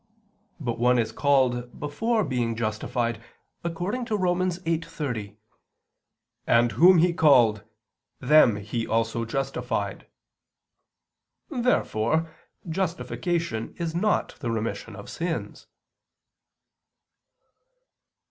But one is called before being justified according to Rom. 8:30: "And whom He called, them He also justified." Therefore justification is not the remission of sins.